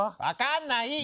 わかんない！